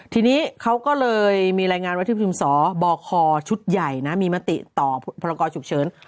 ทีนี้เขาก็เลยมีรายงานว่าที่ประชุมสรรคบบอกคอชุดใหญ่นะมีหมาติต่อพรกรชุกเฉิน